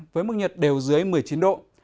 với mức nhiệt đều dưới một mươi chín độ